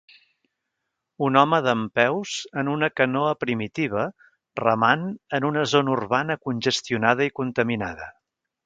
Un home dempeus en una canoa primitiva remant en una zona urbana congestionada i contaminada.